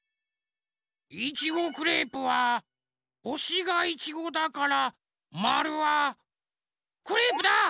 いちごクレープはほしがいちごだからまるはクレープだ！